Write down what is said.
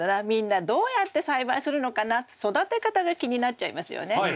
みんなどうやって栽培するのかなって育て方が気になっちゃいますよね。